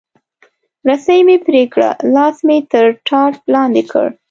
رسۍ مې پرې کړه، لاس مې تر ټاټ لاندې کړ.